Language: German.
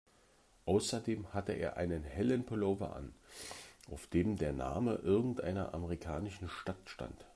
Außerdem hatte er einen hellen Pullover an, auf dem der Name irgendeiner amerikanischen Stadt stand.